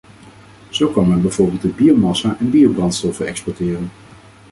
Zo kan men bijvoorbeeld de biomassa en biobrandstoffen exploiteren.